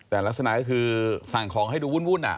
แต่ลักษณะก็คือสั่งของให้ดูวุ่น